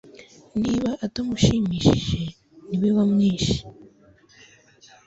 Niba atamushimishije niwe wamwishe